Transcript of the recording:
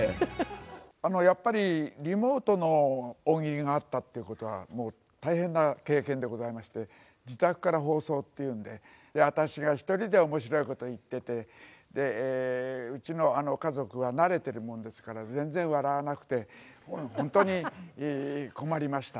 やっぱり、リモートの大喜利があったっていうことは、大変な経験でございまして、自宅から放送っていうんで、私が一人でおもしろいこと言ってて、うちの家族は慣れてるもんですから、全然笑わなくて、本当に困りました。